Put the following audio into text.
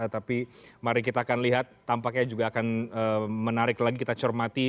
tapi mari kita akan lihat tampaknya juga akan menarik lagi kita cermati